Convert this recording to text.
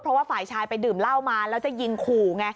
เพราะว่าฝ่ายชายไปดื่มเหล้ามาแล้วจะยิงขู่ไง